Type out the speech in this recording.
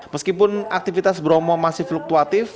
meskipun aktivitas bromo masih fluktuatif